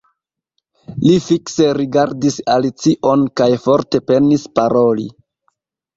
Li fikse rigardis Alicion kaj forte penis paroli.